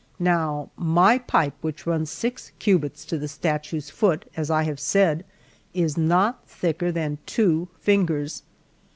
Now, my pipe, which runs six cubits to the statue's foot, as I have said, is not thicker than two fingers.